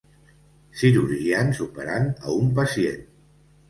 Cirurgians operant a un pacient